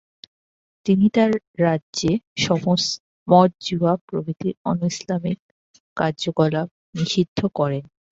তিনি তার রাজ্যে মদ, জুয়া প্রভৃতি অনৈসলামিক কার্যকলাপ নিষিদ্ধ করেন।